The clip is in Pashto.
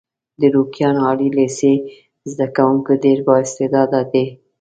د روکيان عالي لیسې زده کوونکي ډېر با استعداده دي.